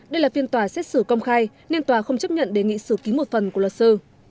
đây là phiên tòa xét xử công khai nên tòa không chấp nhận đề nghị xử ký một phần của luật sư